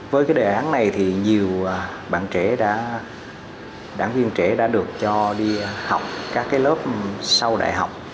với cái đề án này thì nhiều bạn trẻ đảng viên trẻ đã được cho đi học các lớp sau đại học